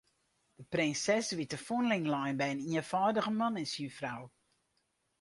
De prinses wie te fûnling lein by in ienfâldige man en syn frou.